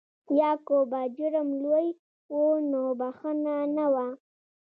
یا که به جرم لوی و نو بخښنه نه وه.